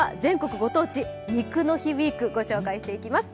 ご当地肉のウイークをご紹介していきます。